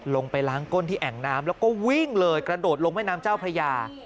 ลงไปล้างก้นที่แอ่งน้ำแล้วก็วิ่งเลยกระโดดลงแม่น้ำเจ้าพระยา